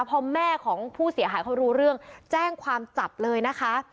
พอแม่ของผู้เสียหายเขารู้เรื่องแจ้งความจับเลยนะคะ